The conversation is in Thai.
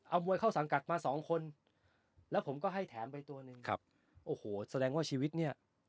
เอามวยเข้าสังกัดมาสองคนแล้วผมก็ให้แถมไปตัวหนึ่งครับโอ้โหแสดงว่าชีวิตเนี่ย